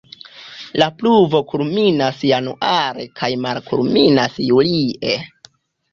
La pluvo kulminas januare kaj malkulminas julie.